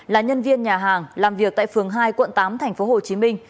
là nhân viên nhà hàng làm việc tại phường hai quận tám tp hcm